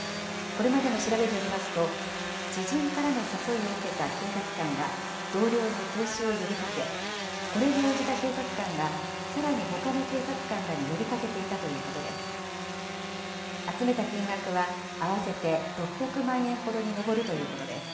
これまでの調べによりますと、知人からの誘いを受けた警察官が、同僚に投資を呼びかけ、これに応じた警察官がさらにほかの警察官らに呼びかけていたということです。